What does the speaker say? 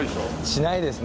しないですね。